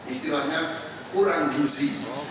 istilahnya kurang gizi